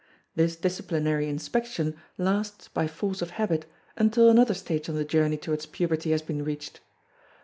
This disciplinary inspection lasts by force of habit until another stage on the journey towards puberty has been reached.